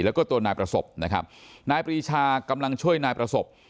แล้วก็ตัวนายประสบนะครับนายปรีชากำลังช่วยนายประสบ